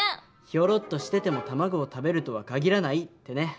「ヒョロッとしてても卵を食べるとは限らない」ってね。